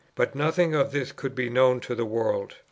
But nothing of this could be known to the world.